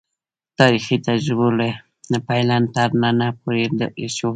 تاریخي تجربو له پیله تر ننه پورې ښودلې.